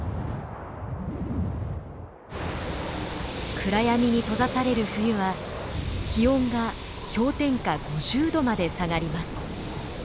暗闇に閉ざされる冬は気温が氷点下５０度まで下がります。